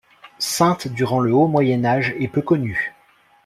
Saintes durant le Haut Moyen Âge est peu connue.